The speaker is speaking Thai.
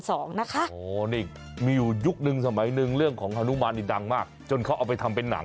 โอ้โหนี่มีอยู่ยุคนึงสมัยหนึ่งเรื่องของฮานุมานนี่ดังมากจนเขาเอาไปทำเป็นหนัง